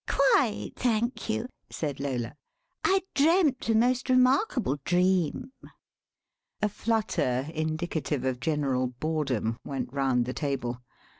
"Quite, thank you," said Lola; "I dreamt a most remarkable dream." A flutter, indicative of general boredom; went round the table.